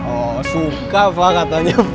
oh suka pak katanya